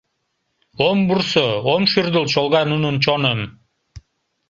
Ом вурсо, ом шӱрдыл чолга нунын чоным.